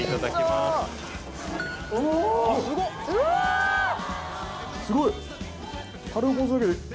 すごい！